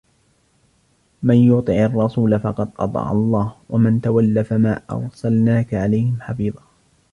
مَنْ يُطِعِ الرَّسُولَ فَقَدْ أَطَاعَ اللَّهَ وَمَنْ تَوَلَّى فَمَا أَرْسَلْنَاكَ عَلَيْهِمْ حَفِيظًا